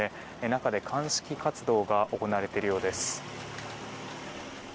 中で鑑識活動が行われているようです。